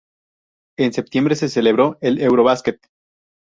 En septiembre se celebró el Eurobasket.